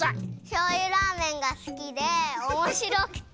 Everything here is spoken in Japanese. しょうゆラーメンがすきでおもしろくて。